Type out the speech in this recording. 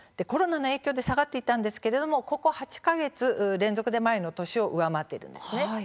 コロナの影響で下がっていたんですがここ８か月連続で前の年を上回っています。